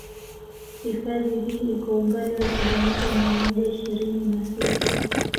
Hifadhi hii iko umbali wa kilometa mia moja ishirini na sita